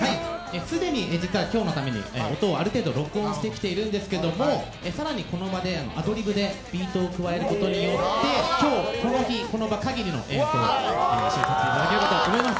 既に今日のために音をある程度録音してきているんですけど更にこの場でアドリブでビートを加えることによって今日この日、この場限りの演奏を楽しんでいただければと思います。